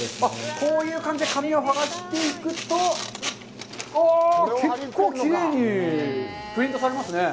こういう感じで紙を剥がしていくと、あ、結構きれいにプリントされますね。